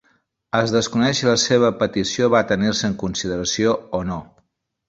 Es desconeix si la seva petició va tenir-se en consideració o no.